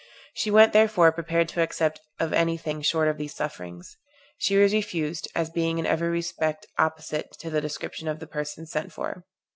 She went therefore prepared to accept of anything short of these sufferings. She was refused, as being in every respect opposite to the description of the person sent for.